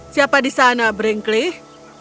siapa di sana brinkley